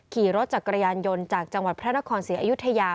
ขี่รถจักรยานยนต์จากจังหวัดพระนครศรีอยุธยา